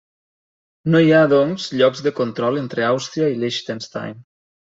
No hi ha doncs llocs de control entre Àustria i Liechtenstein.